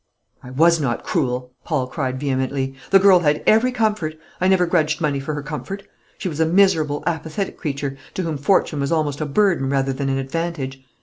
'" "I was not cruel," Paul cried vehemently; "the girl had every comfort. I never grudged money for her comfort. She was a miserable, apathetic creature, to whom fortune was almost a burden rather than an advantage.